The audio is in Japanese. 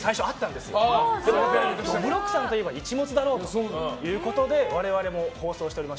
でもどぶろっくさんといえば一物だろうということで我々も放送しておりまして。